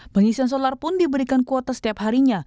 pengisian solar pun diberikan kuota setiap harinya